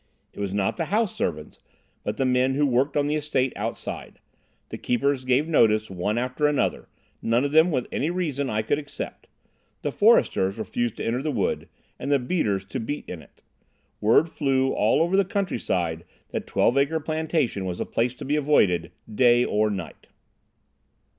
It was not the house servants, but the men who worked on the estate outside. The keepers gave notice one after another, none of them with any reason I could accept; the foresters refused to enter the wood, and the beaters to beat in it. Word flew all over the countryside that Twelve Acre Plantation was a place to be avoided, day or night.